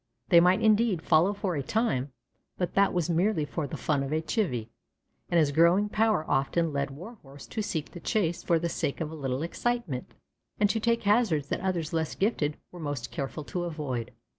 They might, indeed, follow for a time, but that was merely for the fun of a chivvy, and his growing power often led Warhorse to seek the chase for the sake of a little excitement, and to take hazards that others less gifted were most careful to avoid.